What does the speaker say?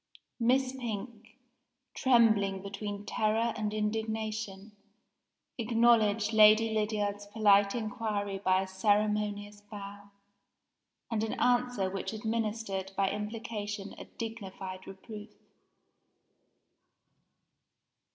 Miss Pink, trembling between terror and indignation, acknowledged Lady Lydiard's polite inquiry by a ceremonious bow, and an answer which administered by implication a dignified reproof.